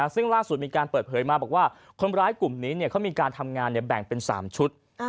ซึ่งล่าสุดมีการเปิดเผยมาบอกว่าคนร้ายกลุ่มนี้เขามีการทำงานแบ่งเป็น๓ชุด